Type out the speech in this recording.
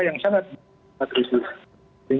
yang sangat berat